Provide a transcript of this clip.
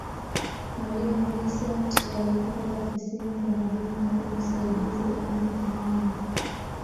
mwalimu vicent alikwenda ofisini kwa mwalimu mkuu msaidizi aneth nyongo